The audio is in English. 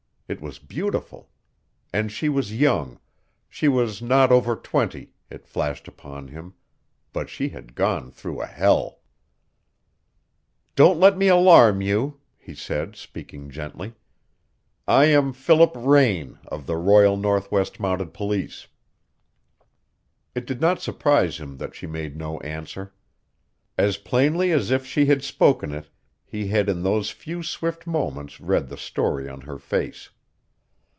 It was beautiful. And she was young. She was not over twenty, it flashed upon him but she had gone through a hell. "Don't let me alarm you," he said, speaking gently. "I am Philip Raine of the Royal Northwest Mounted Police." It did not surprise him that she made no answer. As plainly as if she had spoken it he had in those few swift moments read the story in her face.